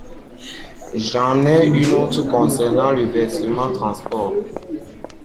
J’en ai une autre concernant le versement transport.